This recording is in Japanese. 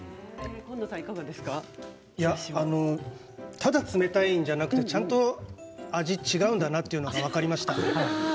ただ冷たいんじゃなくてちゃんと味違うんだなというのが分かりました。